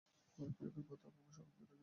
ভারত বিভাগের পর তা ক্রমশ কমতে থাকে।